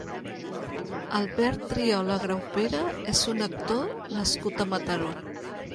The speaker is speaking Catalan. Albert Triola Graupera és un actor nascut a Mataró.